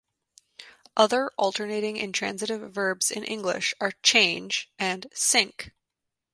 Other alternating intransitive verbs in English are "change" and "sink".